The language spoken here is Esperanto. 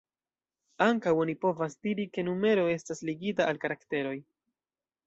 Ankaŭ oni povas diri ke numero estas ligita al karakteroj.